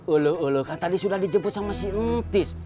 ulu ulu kan tadi sudah dijemput sama si tis